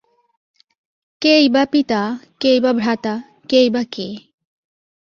কেই বা পিতা, কেই বা ভ্রাতা, কেই বা কে?